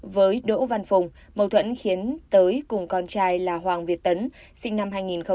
với đỗ văn phùng mâu thuẫn khiến tới cùng con trai là hoàng việt tấn sinh năm hai nghìn